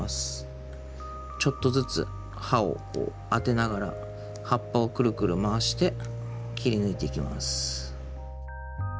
ちょっとずつ刃を当てながら葉っぱをくるくる回して切り抜いていきます。